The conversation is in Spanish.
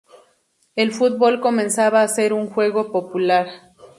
El fútbol comenzaba a ser un juego popular.